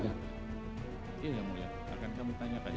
iya yang mulia akan kami tanya tadi